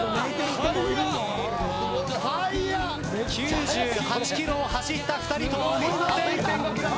９８ｋｍを走った２人とは思えません。